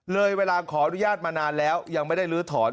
เลยเวลาขออนุญาตมานานแล้วยังไม่ได้ลื้อถอน